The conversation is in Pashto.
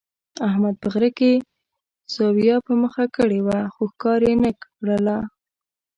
احمد په غره کې سویه په مخه کړې وه، خو ښکار یې نه کړله.